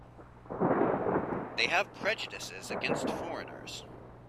They have prejudices against foreigners.